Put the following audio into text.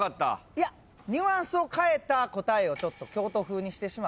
いやニュアンスを変えた答えをちょっと京都風にして。